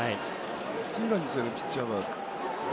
隙見せないですよねピッチャーは。